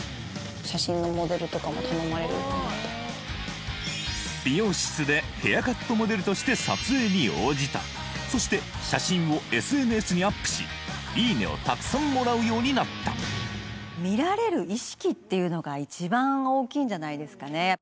写真のモデルとかも頼まれるようになった美容室でヘアカットモデルとして撮影に応じたそして写真をＳＮＳにアップし「いいね！」をたくさんもらうようになったんじゃないですかね